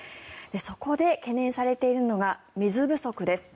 そこで懸念されているのが水不足です。